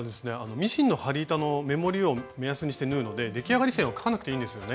ミシンの針板の目盛りを目安にして縫うので出来上がり線を描かなくていいんですよね。